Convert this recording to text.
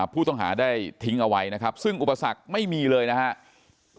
ผู้ต้องหาได้ทิ้งเอาไว้นะครับซึ่งอุปสรรคไม่มีเลยนะครับ